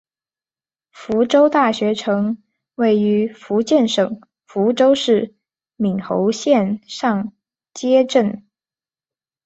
福州大学城位于福建省福州市闽侯县上街镇。